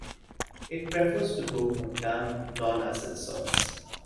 It prefers to grow on damp, non-acid soils.